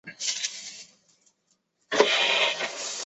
田中义一。